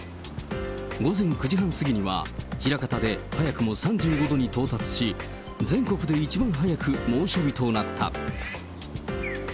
午前９時半過ぎには、枚方で早くも３５度に到達し、全国で一番早く猛暑日となった。